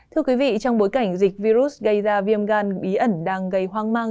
thưa quý vị trong bối cảnh dịch virus gây ra viêm gan bí ẩn đang gây hoang mang